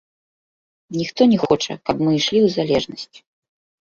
Ніхто не хоча, каб мы ішлі ў залежнасць.